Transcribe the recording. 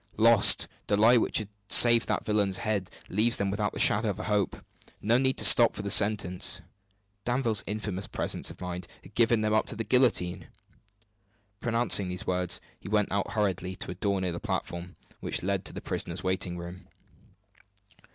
"Lost! The lie which has saved that villain's head leaves them without the shadow of a hope. No need to stop for the sentence Danville's infamous presence of mind has given them up to the guillotine!" Pronouncing these words, he went out hurriedly by a door near the platform, which led to the prisoners' waiting room.